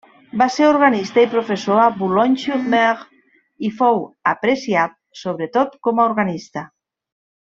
Va ser organista i professor a Boulogne-sur-Mer, i fou apreciat sobre tot coma organista.